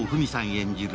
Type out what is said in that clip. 演じる